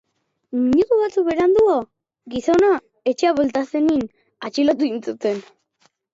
Minutu batzuk beranduago gizona etxera bueltatu zenean, atxilotu zuten.